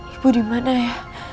ibu dimana ya